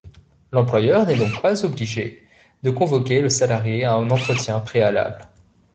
L'employeur n'est donc pas obligé de convoquer le salarié à un entretien préalable.